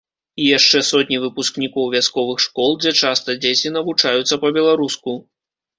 І яшчэ сотні выпускнікоў вясковых школ, дзе часта дзеці навучаюцца па-беларуску.